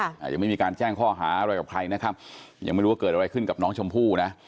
ยังไม่มีการแจ้งข้อหาอะไรกับใครนะครับยังไม่รู้ว่าเกิดอะไรขึ้นกับน้องชมพู่นะ